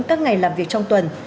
các ngày làm việc trong tuần